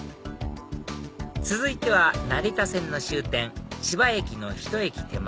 続いては成田線の終点千葉駅のひと駅手前